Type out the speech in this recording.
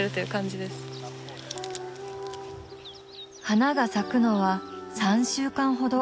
花が咲くのは３週間ほど。